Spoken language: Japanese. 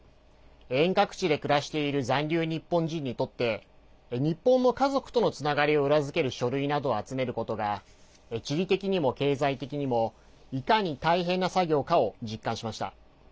遠隔地で暮らしている残留日本人にとって日本の家族とのつながりを裏付ける書類などを集めることが地理的にも経済的にもいかに大変な作業かを実感しました。